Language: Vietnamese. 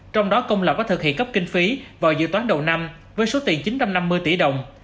trong đó công lập có thực hiện cấp kinh phí vào dự toán đầu năm với số tiền chín trăm năm mươi tỷ đồng